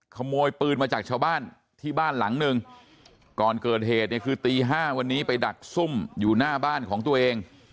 ขโมยปืนมาจากชาวบ้านที่บ้านหลังหนึ่งก่อนเกิดเหตุเนี่ยคือตี๕วันนี้ไปดักซุ่มอยู่หน้าบ้านของตัวเอง